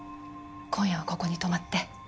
今夜はここに泊まって。